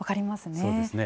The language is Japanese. そうですね。